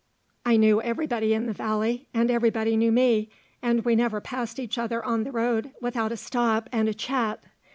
I knew everybody in the valley and everybody knew me, and we never passed each other on the road without a stop and a chat.